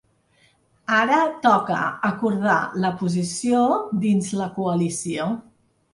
Ara toca acordar la posició dins la coalició.